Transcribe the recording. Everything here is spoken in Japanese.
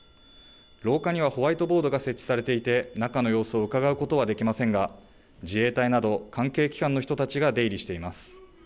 廊下にはホワイトボードが設置されていて中の様子をうかがうことはできませんが自衛隊など関係機関の人たちが出入りしています。